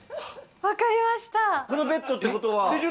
このベッドってことは。